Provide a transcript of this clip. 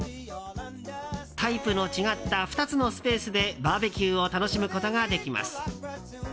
タイプの違った２つのスペースでバーベキューを楽しむことができます。